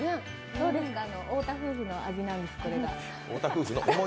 どうですか、太田夫婦の味なんですけど、これが。